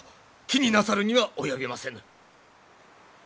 気になさるには及びませぬ。